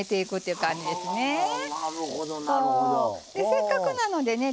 せっかくなのでね